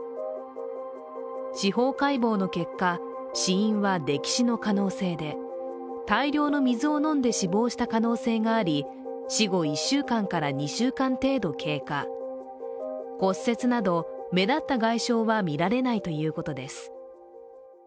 司法解剖の結果、死因は溺死の可能性で大量の水を飲んで死亡した可能性があり死後１週間から２週間程度経過、骨折など目立った外傷は見られないということです。